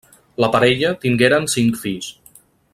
La parella tingueren cinc fills.